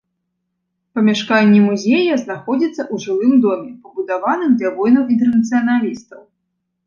Памяшканне музея знаходзіцца ў жылым доме, пабудаваным для воінаў-інтэрнацыяналістаў.